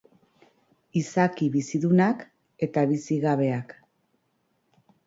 Izaki bizidunak eta bizigabeak.